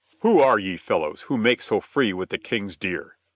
"Who are these, fellow, that make so free with the King's deer?"